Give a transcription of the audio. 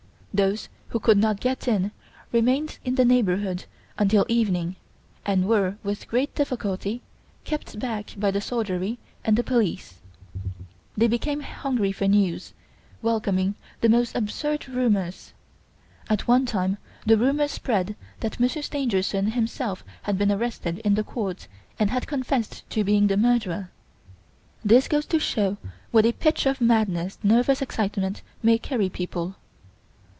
Those who could not get in remained in the neighbourhood until evening and were, with great difficulty, kept back by the soldiery and the police. They became hungry for news, welcoming the most absurd rumours. At one time the rumour spread that Monsieur Stangerson himself had been arrested in the court and had confessed to being the murderer. This goes to show to what a pitch of madness nervous excitement may carry people.